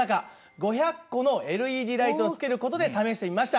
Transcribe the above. ５００個のＬＥＤライトをつける事で試してみました。